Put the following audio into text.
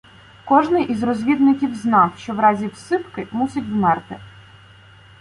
Кожний із розвідників знав, що в разі "всипки" мусить вмерти.